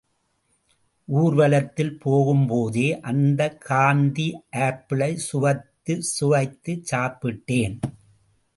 ஊர்வலத்தில் போகும்போதே அந்த காந்தி ஆப்பிளை சுவைத்துச் சுவைத்துச் சாப்பிட்டேன்.